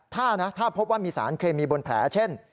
ถ้านะถ้าพบว่ามีสารเคมีบนแผลเช่น